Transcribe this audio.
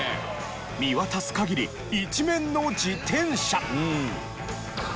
見渡す限り一面の自転車！